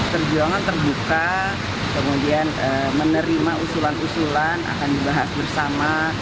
perjuangan terbuka kemudian menerima usulan usulan akan dibahas bersama